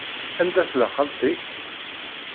Anda tella xalti-k?